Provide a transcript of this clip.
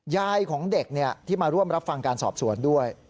ยายของเด็กที่มาร่วมรับฟังการสอบสวนด้วย